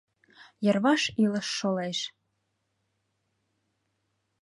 Йырваш илыш шолеш.